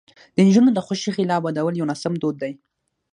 د نجونو د خوښې خلاف ودول یو ناسم دود دی.